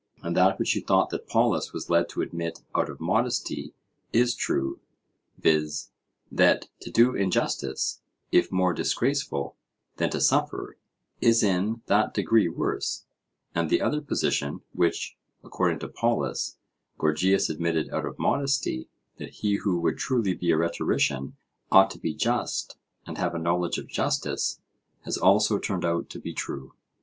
And that which you thought that Polus was led to admit out of modesty is true, viz., that, to do injustice, if more disgraceful than to suffer, is in that degree worse; and the other position, which, according to Polus, Gorgias admitted out of modesty, that he who would truly be a rhetorician ought to be just and have a knowledge of justice, has also turned out to be true.